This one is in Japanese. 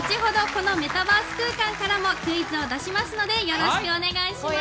このメタバース空間からもクイズを出しますのでよろしくお願いします。